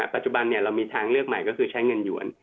ปัจจุบันเรามีทางเลือกใหม่ก็คือใช้เงินหยวน